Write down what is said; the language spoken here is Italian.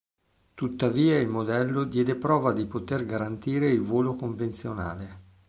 Tuttavia il modello diede prova di poter garantire il volo convenzionale.